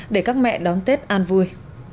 để các mẹ đón tết an vui